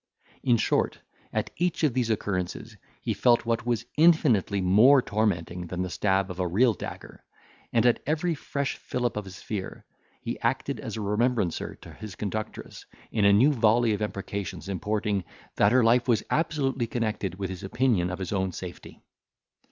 In short, at each of these occurrences he felt what was infinitely more tormenting than the stab of a real dagger; and at every fresh fillip of his fear, he acted as a remembrancer to his conductress, in a new volley of imprecations, importing, that her life was absolutely connected with his opinion of his own safety.